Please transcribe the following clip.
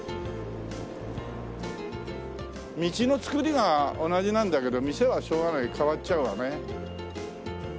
道の造りが同じなんだけど店はしょうがない変わっちゃうわね。